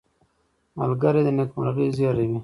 ملګری د نېکمرغۍ زېری وي